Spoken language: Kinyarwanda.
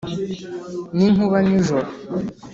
n'inkuba nijoro.